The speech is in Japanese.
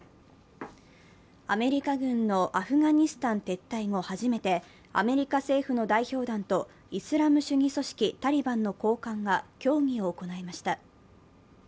アメリカ軍のアフガニスタン撤退後、初めてアメリカ政府の代表団とイスラム主義組織タリバンの高官が協議を行いました。